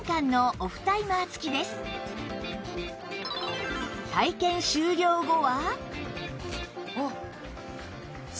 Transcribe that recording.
また体験終了後は